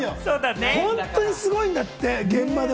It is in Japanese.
本当にすごいんだって、現場で。